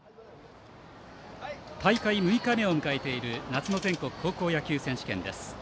大会６日目を迎えている夏の全国高校野球選手権です。